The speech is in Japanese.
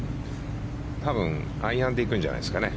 多分、アイアンで行くんじゃないですかね。